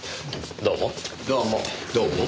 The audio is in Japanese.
どうも。